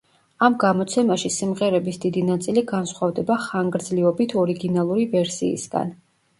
ამ გამოცემაში სიმღერების დიდი ნაწილი განსხვავდება ხანგრძლივობით ორიგინალური ვერსიისგან.